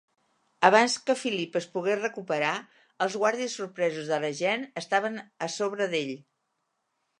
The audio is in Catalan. Abans que Philip es pogués recuperar, els guàrdies sorpresos de la Jeanne estaven a sobre d'ell.